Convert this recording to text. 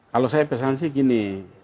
kalau saya pesan sih gini